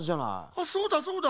あっそうだそうだ。